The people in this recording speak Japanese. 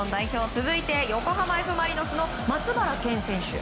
続いて横浜Ｆ・マリノスの松原健選手。